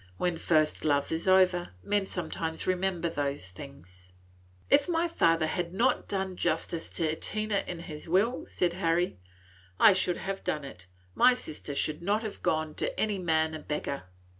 When first love is over, men sometimes remember those things." "If my father had not done justice to Tina in his will," said Harry, "I should have done it. My sister should not have gone to any man a beggar."